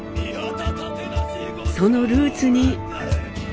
そのルーツに。